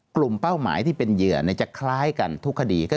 เป้าหมายที่เป็นเหยื่อจะคล้ายกันทุกคดี